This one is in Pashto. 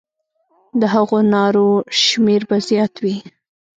د هغو نارو شمېر به زیات وي.